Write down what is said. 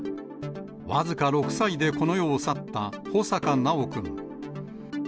僅か６歳でこの世を去った、穂坂修くん。